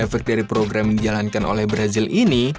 efek dari program yang dijalankan oleh brazil ini